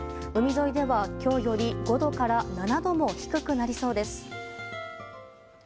海沿いでは、今日より５度から７度も低くなりそうです。